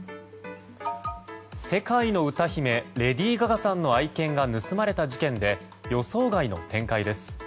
世界の歌姫レディー・ガガさんの愛犬が盗まれた事件で予想外の展開です。